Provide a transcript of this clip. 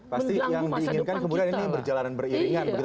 pasti yang diinginkan kemudian ini berjalanan beriringan begitu